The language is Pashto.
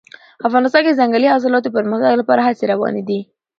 افغانستان کې د ځنګلي حاصلاتو د پرمختګ لپاره هڅې روانې دي.